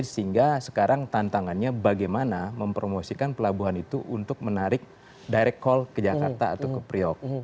sehingga sekarang tantangannya bagaimana mempromosikan pelabuhan itu untuk menarik direct call ke jakarta atau ke priok